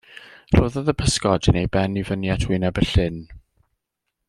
Rhoddodd y pysgodyn ei ben i fyny at wyneb y llyn.